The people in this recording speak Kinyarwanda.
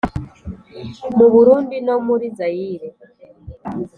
mu burundi no muri zayire